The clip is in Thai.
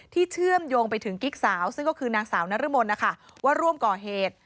เชื่อมโยงไปถึงกิ๊กสาวซึ่งก็คือนางสาวนรมนนะคะว่าร่วมก่อเหตุ